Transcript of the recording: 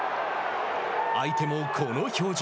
相手もこの表情。